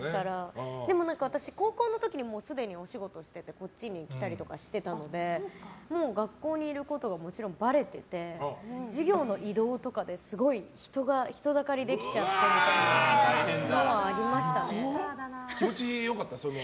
私、高校の時にすでにお仕事しててこっちに来たりとかしてたので学校にいることがもちろんばれてて授業の移動とかで、人だかりができちゃってというのは気持ちよかった？